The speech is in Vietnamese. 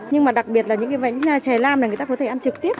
nhưng mà đặc biệt là những cái bánh chè lam này người ta có thể ăn trực tiếp